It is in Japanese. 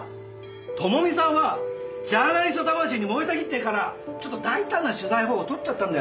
朋美さんはジャーナリスト魂に燃えたぎっているからちょっと大胆な取材方法を取っちゃったんだよ。